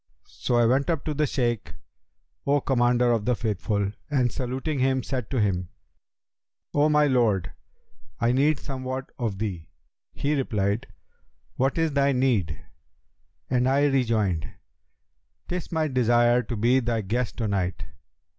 So I went up to the Shaykh, O Commander of the Faithful, and saluting him said to him, 'O my lord, I need somewhat of thee!' He replied, 'What is thy need?' and I rejoined, ''Tis my desire to be thy guest to night.'